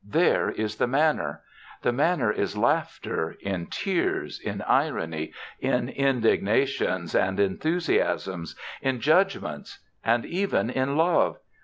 There is the manner. The manner in laughter, in tears, in irony, in indignations and enthusiasms, in judgments and even in love.